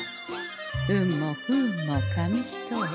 運も不運も紙一重。